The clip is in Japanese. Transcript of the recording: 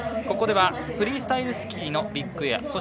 ここではフリースタイルスキーのビッグエア。